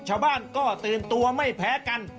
ชาวบ้านก็ตื่นตัวไม่แพ้กัน